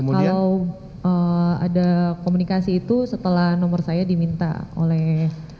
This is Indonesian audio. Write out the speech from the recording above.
kalau ada komunikasi itu setelah nomor saya diminta oleh